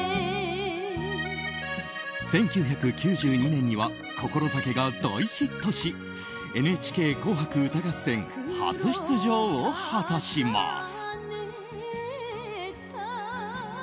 １９９２年には「こころ酒」が大ヒットし「ＮＨＫ紅白歌合戦」初出場を果たします。